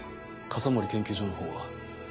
笠森研究所のほうは？